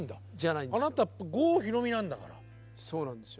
あなた郷ひろみなんだから。